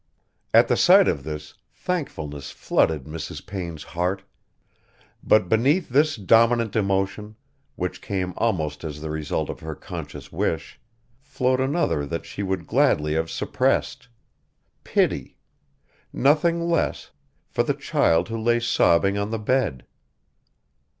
At the sight of this thankfulness flooded Mrs. Payne's heart; but beneath this dominant emotion, which came almost as the result of her conscious wish, flowed another that she would gladly have suppressed: pity, nothing less, for the child who lay sobbing on the bed.